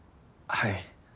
はい。